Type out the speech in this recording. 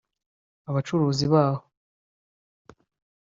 Abacuruzi baho